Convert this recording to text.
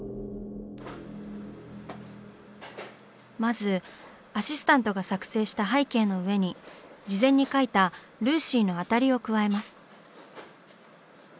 まずアシスタントが作成した背景の上に事前に描いたルーシーのアタリを加えます。